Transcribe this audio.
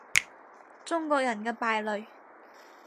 中國人嘅敗類